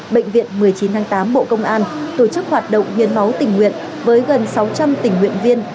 bệnh viện một mươi chín tháng tám bộ công an tổ chức hoạt động hiến máu tình nguyện với gần sáu trăm linh tình nguyện viên